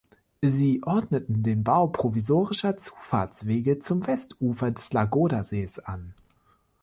Sie ordneten den Bau provisorischer Zufahrtswege zum Westufer des Ladoga-Sees an.